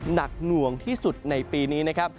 หนักหน่วงที่สุดในปีนี้นะครับ